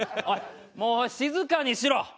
おいもう静かにしろ。